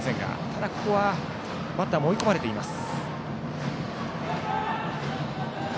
ただ、ここはバッターも追い込まれています。